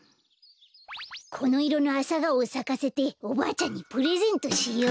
このいろのアサガオをさかせておばあちゃんにプレゼントしよう。